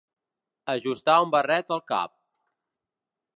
Ajustar un barret al cap.